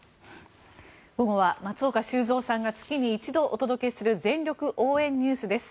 午後は松岡修造さんが月に一度お届けする全力応援ＮＥＷＳです。